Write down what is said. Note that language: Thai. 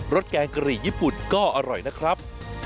สแกงกะหรี่ญี่ปุ่นก็อร่อยนะครับ